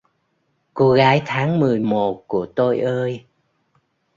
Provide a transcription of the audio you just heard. Cô gái tháng mười một của tôi ơi!